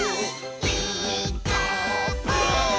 「ピーカーブ！」